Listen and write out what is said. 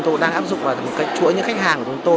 ứng dụng vào một cái chuỗi những khách hàng của chúng tôi